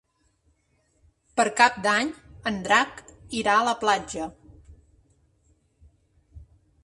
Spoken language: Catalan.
Per Cap d'Any en Drac irà a la platja.